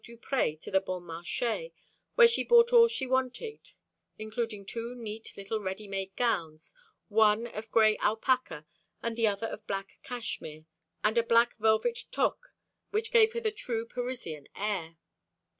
Duprez to the Bon Marché, where she bought all she wanted, including two neat little ready made gowns, one of gray alpaca, and the other of black cashmere, and a black velvet toque which gave her the true Parisian air.